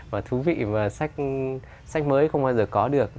mà thú vị mà sách mới không bao giờ có được